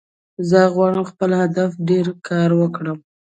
زه غواړم خپل هدف ته ډیر کار وکړم